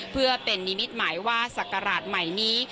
เพื่อเป็นนิมิตหมายว่าศักราชใหม่นี้